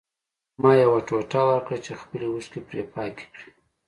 ما یو ټوټه ورکړه چې خپلې اوښکې پرې پاکې کړي